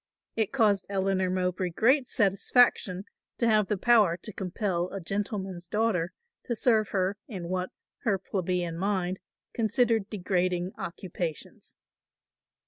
It caused Eleanor Mowbray great satisfaction to have the power to compel a gentleman's daughter to serve her in what her plebeian mind considered degrading occupations.